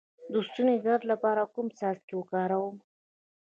د ستوني د درد لپاره کوم څاڅکي وکاروم؟